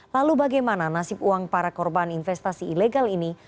lalu bagaimana nasib uang para korban investasi ilegal ini